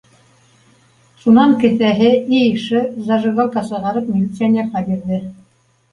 Шунан кеҫәһе- и ш зажигалка сығарып милиционерға бирҙе